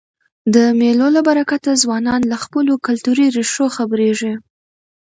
د مېلو له برکته ځوانان له خپلو کلتوري ریښو خبريږي.